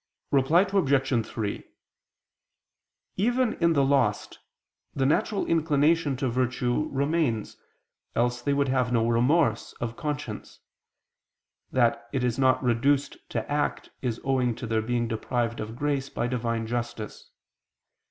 Reply Obj. 3: Even in the lost the natural inclination to virtue remains, else they would have no remorse of conscience. That it is not reduced to act is owing to their being deprived of grace by Divine justice.